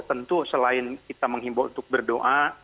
tentu selain kita menghimbau untuk berdoa